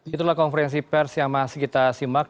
itulah konferensi pers yang masih kita simak